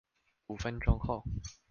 五分鐘後